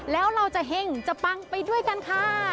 แล้วเราจะเห็งจะปังไปด้วยกันค่ะ